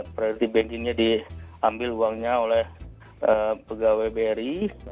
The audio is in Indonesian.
priority bankingnya diambil uangnya oleh pegawai bri